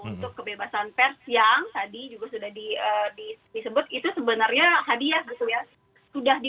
untuk kebebasan pers yang tadi juga sudah disebut itu sebenarnya hadiah gitu ya